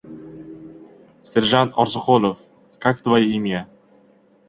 — Serjant Orziqulov! Kak tvoya imya?